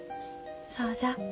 そうじゃ。